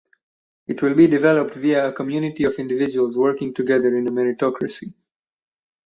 It will be developed via a community of individuals working together in a meritocracy.